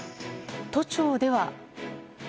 都庁では。